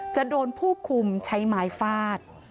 จะโดนภูคุมใช้หมายฟาด